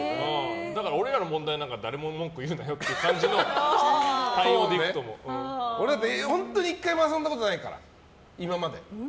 俺らの問題だから誰も文句言うなよっていう感じの本当に１回も遊んだことないから、今まで。